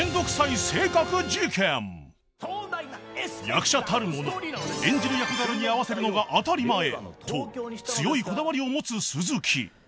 ［役者たるもの演じる役柄に合わせるのが当たり前と強いこだわりを持つ鈴木］